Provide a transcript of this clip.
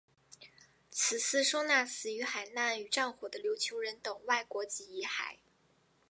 此祠收纳死于海难与战火的琉球人等外国籍遗骸。